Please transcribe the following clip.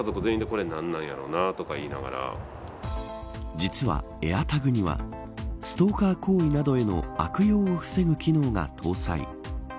実はエアタグにはストーカー行為などへの悪用を防ぐ機能が搭載。